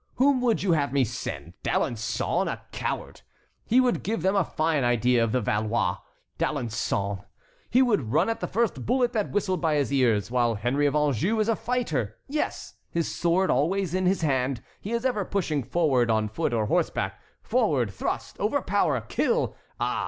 Whom would you have me send them? D'Alençon? a coward! He would give them a fine idea of the Valois!—D'Alençon! He would run at the first bullet that whistled by his ears, while Henry of Anjou is a fighter. Yes! his sword always in his hand, he is ever pushing forward, on foot or horseback!—forward! thrust! overpower! kill! Ah!